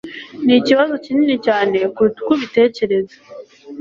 Ni ikibazo kinini cyane kuruta uko ubitekereza.